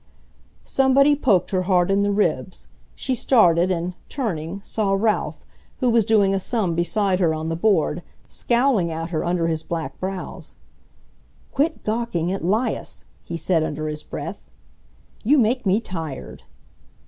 Somebody poked her hard in the ribs. She started and, turning, saw Ralph, who was doing a sum beside her on the board, scowling at her under his black brows. "Quit gawking at 'Lias," he said under his breath. "You make me tired!"